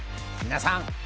皆さん